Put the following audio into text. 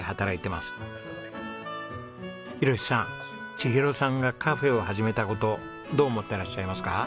千尋さんがカフェを始めた事どう思ってらっしゃいますか？